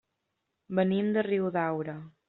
Venim de Riudaura.